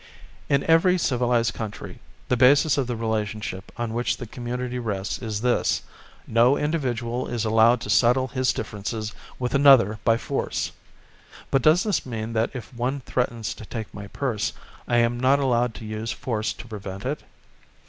In every civilised country, the basis of the relationship on which the community rests is this: no individual is allowed to settle his differences with another by force. But does this mean that if one threatens to take my purse, I am not allowed to use force to prevent it?